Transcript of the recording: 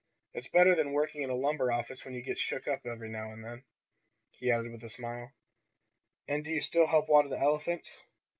It's better than working in a lumber office when you get shook up every now and then," he added with a smile. "And do you still help water the elephants?"